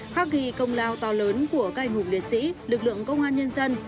khắc ghi công lao to lớn của cài ngục liệt sĩ lực lượng công an nhân dân